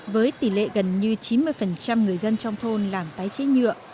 với tỷ lệ gần như chín mươi người dân trong thôn làm tái chế nhựa